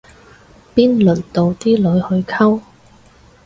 邊輪得到啲女去溝